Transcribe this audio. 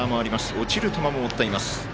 落ちる球も持っています。